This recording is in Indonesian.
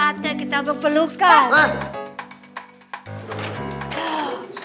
ate kita mempelukan